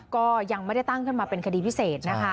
ก็ยังไม่ได้ตั้งขึ้นมาเป็นคดีพิเศษนะคะ